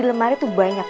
tapi dia juga cukup kenyata